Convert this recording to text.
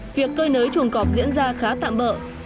việc cơi nới chuồng cọp diễn ra khá tạm bỡ